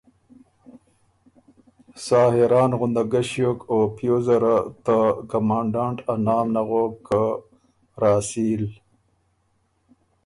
سا حېران غُندک ګه ݭیوک او پیوزه ره ته کمانډانټ ا نام نغوک که ”راسیل“۔